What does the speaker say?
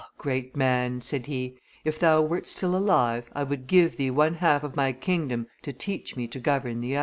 great man," said he, "if thou wert still alive, I would give thee one half of my kingdom to teach me to govern the other."